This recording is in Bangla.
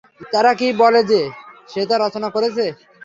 তারা কি বলে যে, সে তা রচনা করেছে?